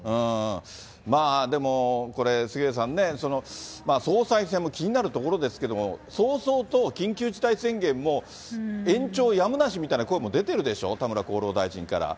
まあ、でもこれ、杉上さんね、総裁選も気になるところですけど、早々と緊急事態宣言も延長やむなしみたいな声も出てるでしょ、田村厚労大臣から。